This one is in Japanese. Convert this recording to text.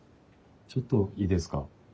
ちょっといいですか？